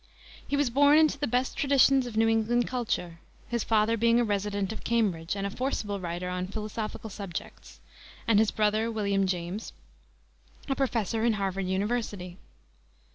He was born into the best traditions of New England culture, his father being a resident of Cambridge, and a forcible writer on philosophical subjects, and his brother, William James, a professor in Harvard University.